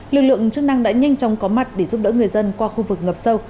lực lượng chức năng đã nhanh chóng có mặt để giúp đỡ người dân qua khu vực ngập sâu